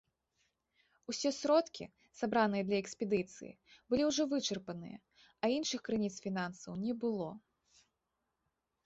Усе сродкі, сабраныя для экспедыцыі, былі ўжо вычарпаныя, а іншых крыніц фінансаў не было.